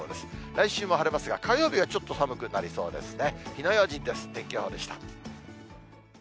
来週も晴れますが、火曜日がちょっと寒くなりそうですね。